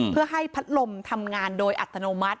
เพื่อให้พัดลมทำงานโดยอัตโนมัติ